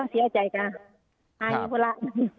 เสียใจสิแย่นิ้วเวลา